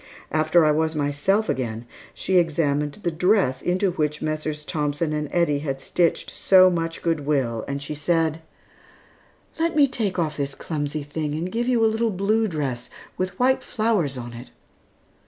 After I was myself again, she examined the dress into which Messrs. Thompson and Eddy had stitched so much good will, and she said: "Let me take off this clumsy thing, and give you a little blue dress with white flowers on it."